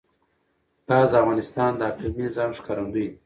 ګاز د افغانستان د اقلیمي نظام ښکارندوی ده.